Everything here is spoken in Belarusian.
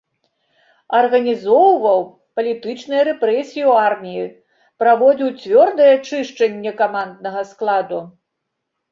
Арганізоўваў палітычныя рэпрэсіі ў арміі, праводзіў цвёрдае чышчанне каманднага складу.